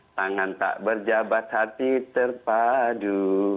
tangan tak berjabat hati terpadu